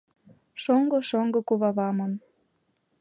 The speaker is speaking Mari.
Шоҥго, шоҥго кувавамын